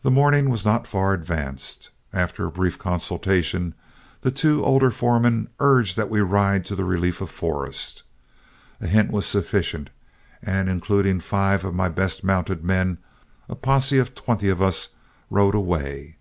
The morning was not far advanced. After a brief consultation, the two older foremen urged that we ride to the relief of Forrest. A hint was sufficient, and including five of my best mounted men, a posse of twenty of us rode away.